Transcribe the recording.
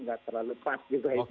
nggak terlalu pas juga itu